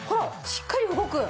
しっかり動く。